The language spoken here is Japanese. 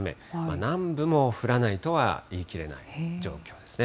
南部も降らないとは言い切れない状況ですね。